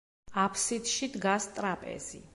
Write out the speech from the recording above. აფსიდში დგას ტრაპეზი.